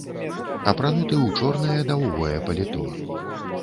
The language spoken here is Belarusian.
Апрануты ў чорнае даўгое паліто.